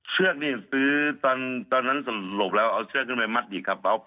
เชือกนี่ซื้อตอนนั้นสรุปแล้วเอาเชือกขึ้นไปมัดอีกครับ